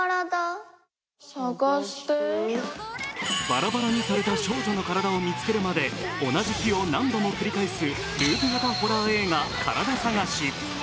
バラバラにされた少女の体を見つけるまで同じ日を何度も繰り返すループ型ホラー映画「カラダ探し」。